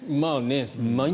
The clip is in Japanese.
毎日